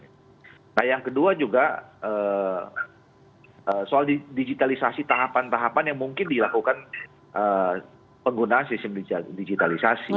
nah yang kedua juga soal digitalisasi tahapan tahapan yang mungkin dilakukan penggunaan sistem digitalisasi